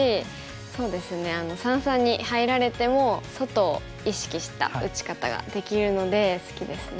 そうですね三々に入られても外を意識した打ち方ができるので好きですね。